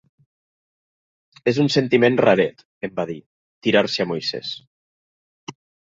"És un sentiment raret", em va dir, "tirar-se a Moisès".